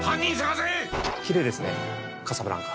きれいですね、カサブランカ。